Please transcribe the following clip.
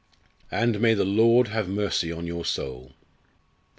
"And may the Lord have mercy on your soul!"